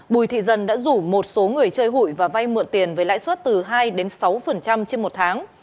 bùi thị dân đã rủ một số người chơi hụi và vay mượn tiền với lãi suất từ hai đến sáu trên một tháng